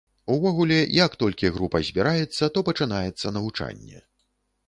Увогуле, як толькі група збіраецца, то пачынаецца навучанне.